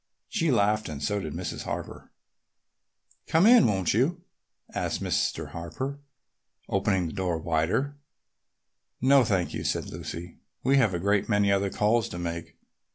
She laughed and so did Mrs. Harper. "Come in, won't you?" asked Mr. Harper, opening the door wider. "No, thank you," said Lucy. "We have a great many other calls to make.